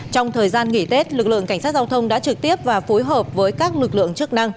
trong thời gian nghỉ tết lực lượng cảnh sát giao thông đã trực tiếp và phối hợp với các lực lượng chức năng